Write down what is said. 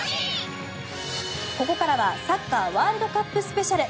ここからはサッカーワールドカップスペシャル！